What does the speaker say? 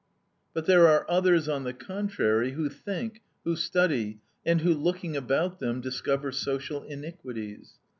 But there are others, on the contrary, who think, who study, and who, looking about them, discover social iniquities.